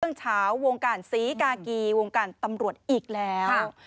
เช้าวงการศรีกากีวงการตำรวจอีกแล้ว